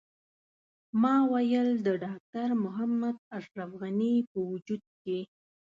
ما ویل د ډاکټر محمد اشرف غني په وجود کې.